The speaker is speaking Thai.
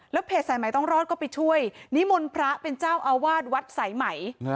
เพจสายใหม่ต้องรอดก็ไปช่วยนิมนต์พระเป็นเจ้าอาวาสวัดสายไหม